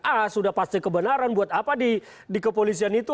ah sudah pasti kebenaran buat apa di kepolisian itu